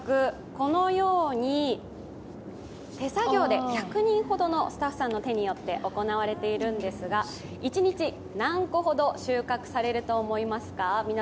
このように手作業で１００人ほどのスタッフさんの手によって行われているんですが一日何個ほど収穫されると思いますか？